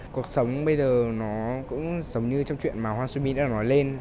cuộc sống bây giờ nó cũng giống như trong chuyện mà hoàng xuân my đã nói lên